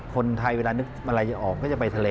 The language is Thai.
คนไทยเวลานึกอะไรจะออกก็จะไปทะเล